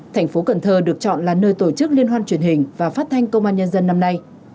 thành phố cần thơ được chọn là nơi tổ chức liên hoan truyền hình và phát thanh công an nhân dân năm nay